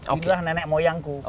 inilah nenek moyangku